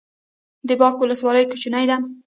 د باک ولسوالۍ کوچنۍ ده